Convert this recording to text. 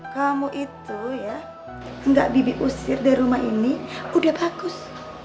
kamu itu ya nggak bibi usir dari rumah ini udah bagus